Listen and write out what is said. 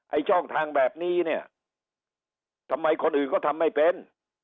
ช่องทางแบบนี้เนี่ยทำไมคนอื่นก็ทำไม่เป็น